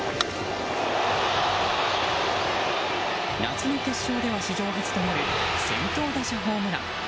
夏の決勝では史上初となる先頭打者ホームラン。